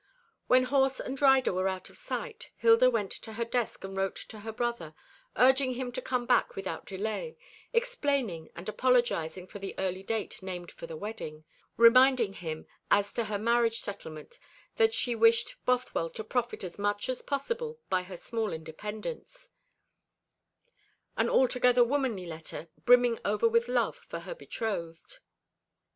When horse and rider were out of sight, Hilda went to her desk and wrote to her brother, urging him to come back without delay, explaining and apologising for the early date named for her wedding reminding him as to her marriage settlement that she wished Bothwell to profit as much as possible by her small independence an altogether womanly letter, brimming over with love for her betrothed.